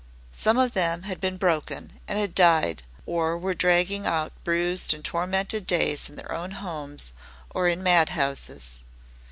Some of them had been broken and had died or were dragging out bruised and tormented days in their own homes or in mad houses.